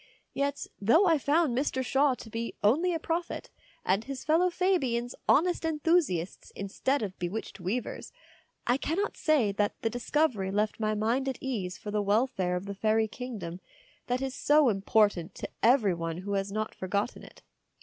Yet, though I found Mr. Shaw to be only a prophet and his fellow Fabians honest enthusiasts instead of bewitched weavers, I cannot say that the discovery left my mind at ease for the welfare of the fairy kingdom that is so important to every one who has not forgotten it.